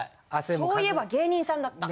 そういえば芸人さんだった。